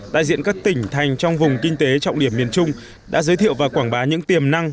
đại diện các tỉnh thành trong vùng kinh tế trọng điểm miền trung đã giới thiệu và quảng bá những tiềm năng